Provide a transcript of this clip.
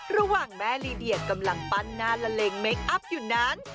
ระหว่างแม่ลีเดียกำลังปั้นหน้าละเลงเมคอัพอยู่นั้น